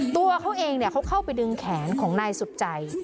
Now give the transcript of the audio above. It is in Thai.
ตัวเขาเองเขาเข้าไปดึงแขนของนายสุดใจ